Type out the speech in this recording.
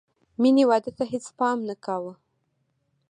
مینې واده ته هېڅ پام نه کاوه